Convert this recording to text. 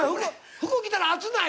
服着たら暑ない？